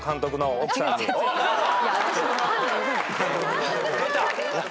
いや私分かんない。